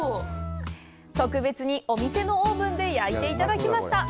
特別にお店のオーブンで焼いていただきました！